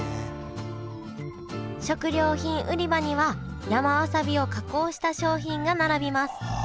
食料品売り場には山わさびを加工した商品が並びますああ